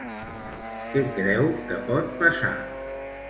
Què creu que pot passar?